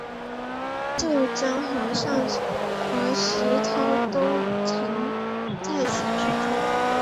渐江和尚和石涛都曾在此居住。